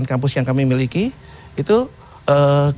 itu kami harus setiap tahun mendidik tujuh puluh ribu personel polri